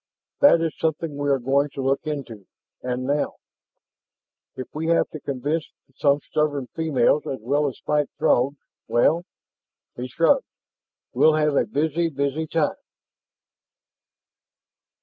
"That is something we are going to look into, and now! If we have to convince some stubborn females, as well as fight Throgs, well" he shrugged "we'll have a busy, busy, time."